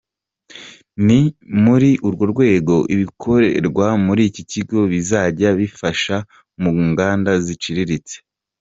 Ni muri urwo rwego ibikorerwa muri iki kigo bizajya binafasha mu nganda ziciriritse.